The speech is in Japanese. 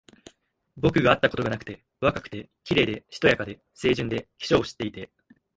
僕があったことがなくて、若くて、綺麗で、しとやかで、清純で、化粧を知っていて、